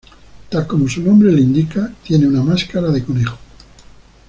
Tal como su nombre lo indica, tiene una máscara de conejo.